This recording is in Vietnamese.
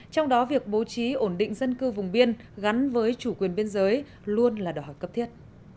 trong đó việc bố trí ổn định dân cư vùng biên gắn với chủ quyền biên giới luôn là đòi hỏi cấp thiết